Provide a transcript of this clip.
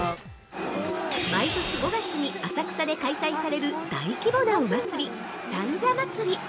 ◆毎年５月に浅草で開催される大規模なお祭り・三社祭。